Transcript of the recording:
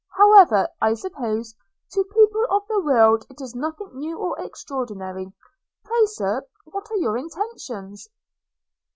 – However, I suppose, to people of the world it is nothing new or extraordinary. – Pray, Sir, what are your intentions?'